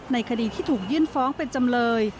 ในคดีที่ถูกยื่นฟ้องเป็นจำเลย